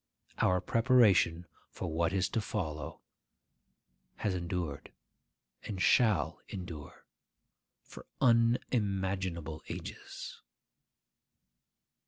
Our preparation for what is to follow has endured, and shall endure, for unimaginable ages.